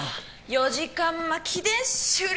４時間巻きで終了